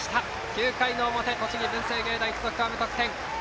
９回の表、栃木・文星芸大付属は無得点。